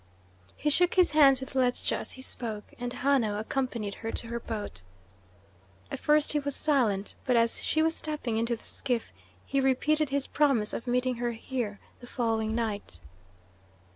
He shook hands with Ledscha as he spoke, and Hanno accompanied her to her boat. At first he was silent, but as she was stepping into the skiff he repeated his promise of meeting her here the following night.